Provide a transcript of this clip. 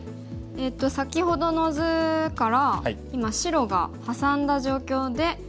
先ほどの図から今白がハサんだ状況で黒番ですね。